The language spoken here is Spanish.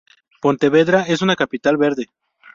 Pontevedra es una capital verde.